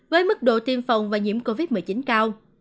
với mức độ tiêm phòng và nhiễm covid một mươi chín cao